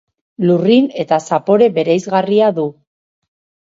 Lurrin eta zapore bereizgarria du.